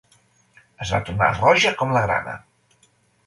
Es va tornar roja com la grana